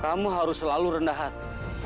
kamu harus selalu rendah hati